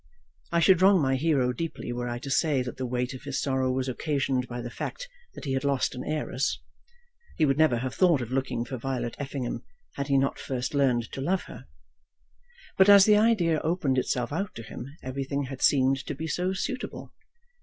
I should wrong my hero deeply were I to say that the weight of his sorrow was occasioned by the fact that he had lost an heiress. He would never have thought of looking for Violet Effingham had he not first learned to love her. But as the idea opened itself out to him, everything had seemed to be so suitable.